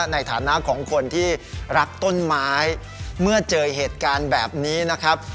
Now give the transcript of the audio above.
ในฐานะของคนที่รักต้นไม้เมื่อเจอเหตุการณ์แบบนี้นะครับ